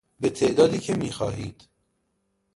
به تعدادی که می خواهید